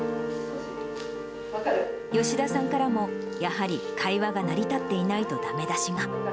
吉田さんからも、やはり会話が成り立っていないとだめ出しが。